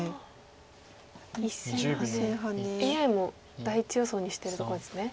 ＡＩも第１予想にしてるとこですね。